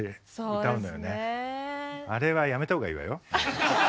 あれはやめた方がいいわよ。